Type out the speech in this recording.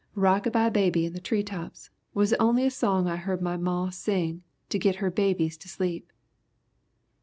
"'Rockabye baby in the tree trops' was the onliest song I heard my maw sing to git her babies to sleep.